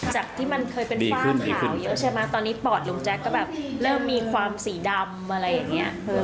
จากที่มันเคยเป็นฝ้างขาวเยอะใช่ไหมตอนนี้ปอดลุงแจ๊กก็แบบเริ่มมีความสีดำอะไรอย่างนี้